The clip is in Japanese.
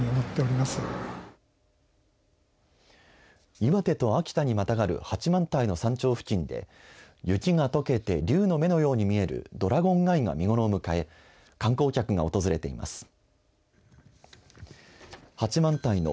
岩手と秋田にまたがる八幡平の山頂付近で雪がとけて龍の眼のように見えるドラゴンアイが見頃を迎え観光客が訪れています。